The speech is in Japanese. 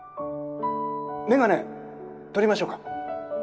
メガネ取りましょうか。